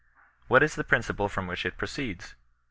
What is the principle from which it proceeds?